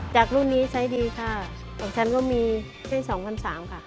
จากรุ่นนี้ใช้ดีค่ะของฉันก็มี๒๓๐๐บาทค่ะ